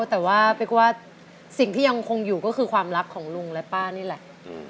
แต่ว่าเป๊กว่าสิ่งที่ยังคงอยู่ก็คือความรักของลุงและป้านี่แหละ